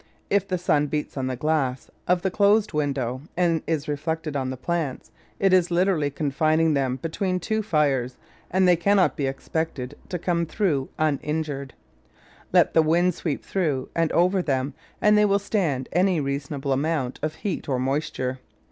If the sun beats on the glass of the closed window and is reflected on the plants, it is literally confining them between two fires and they cannot be expected to come through uninjured. Let the wind sweep through and over them and they will stand any reasonable amount of heat or moisture.